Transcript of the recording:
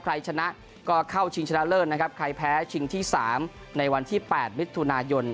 ใครชนะก็เข้าชิงชนะเลิศนะครับใครแพ้ชิงที่๓ในวันที่๘มิถุนายน